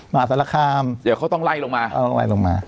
มาสารคามเดี๋ยวเขาต้องไล่ลงมา